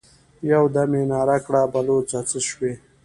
يودم يې ناره کړه: بلوڅه! څه شوې؟